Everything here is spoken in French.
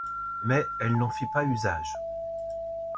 Mais elle n'en fit pas usage.